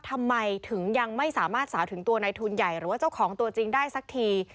ทำไมถึงยังไม่สามารถสาวถึงตัวในทุนใหญ่หรือว่าเจ้าของตัวจริงได้สักที